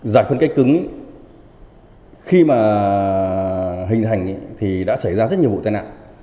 giải phân cách cứng khi mà hình thành thì đã xảy ra rất nhiều vụ tai nạn